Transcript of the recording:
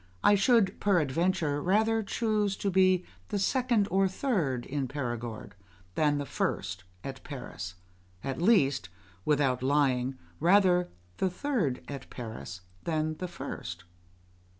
] I should, peradventure, rather choose to be the second or third in Perigord than the first at Paris at least, without lying, rather the third at Paris than the first.